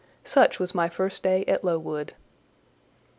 Such was my first day at Lowood.